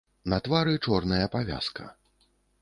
На твары чорная павязка.